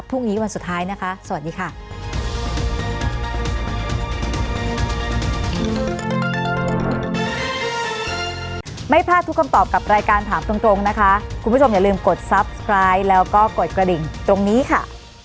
พรุ่งนี้วันสุดท้ายนะคะสวัสดีค่ะ